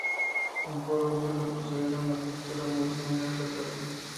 En polvo suele poseer una textura muy similar a la grasa.